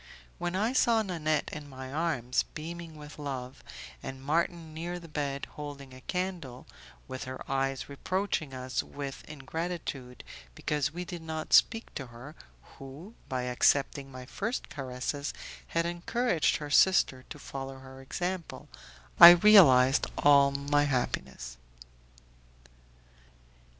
When I saw Nanette in my arms, beaming with love, and Marton near the bed, holding a candle, with her eyes reproaching us with ingratitude because we did not speak to her, who, by accepting my first caresses, had encouraged her sister to follow her example, I realized all my happiness.